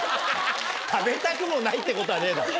食べたくもないってことはねえだろ。